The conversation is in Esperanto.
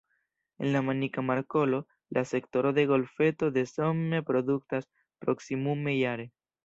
En la Manika Markolo, la sektoro de la Golfeto de Somme produktas proksimume jare.